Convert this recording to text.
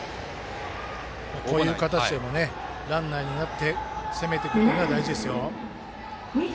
こういう形でもランナーになって攻めていくっていうのは大事です。